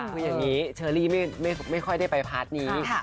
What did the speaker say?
คืออย่างนี้เชอรี่ไม่ค่อยได้ไปพาร์ทนี้